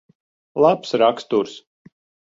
Labs raksturs.